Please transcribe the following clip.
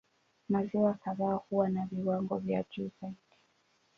Maziwa kadhaa huwa na viwango vya juu zaidi.